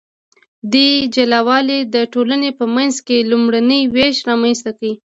دې جلا والي د ټولنې په منځ کې لومړنی ویش رامنځته کړ.